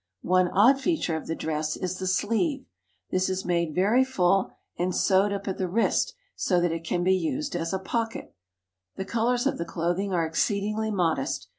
One odd feature of the dress is the sleeve. This is made very full and sewed up at the wrist so that it can be used as a pocket. The colors of the clothing are exceedingly modest.